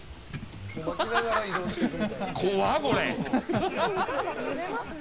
怖っ、これ。